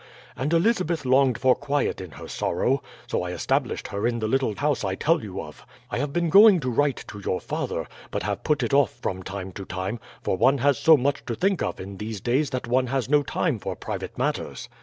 And Elizabeth longed for quiet in her sorrow, so I established her in the little house I tell you of. I have been going to write to your father, but have put it off from time to time, for one has so much to think of in these days that one has no time for private matters.